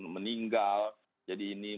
meninggal jadi ini